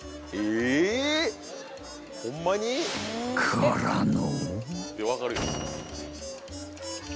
［からの］